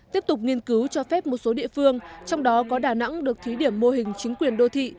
tiếp tục nghiên cứu cho phép một số địa phương trong đó có đà nẵng được thí điểm mô hình chính quyền đô thị